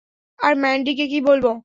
আর ম্যান্ডিকে কী বলব?